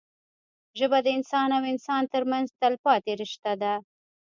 ژبه د انسان او انسان ترمنځ تلپاتې رشته ده